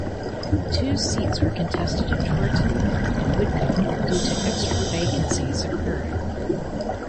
Two seats were contested in Twerton and Widcombe due to extra vacancies occurring.